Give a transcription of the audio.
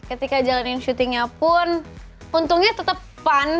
ketika jalanin syutingnya pun untungnya tetep fun